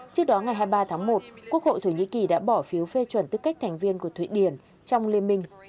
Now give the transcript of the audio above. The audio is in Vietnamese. trước đó ngày hai mươi ba tháng một quốc hội thổ nhĩ kỳ đã bỏ phiếu phê chuẩn tư cách thành viên của thụy điển trong liên minh